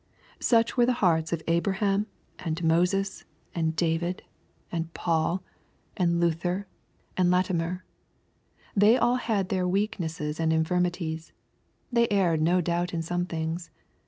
Such were the hearts of Abraham, and Moses^ and David, and 40 EXPOSITORY THOUGHTS. Paul, and Luther, and Latimer. They all had their weaknesses and infirmities. They erred no doubt in some things.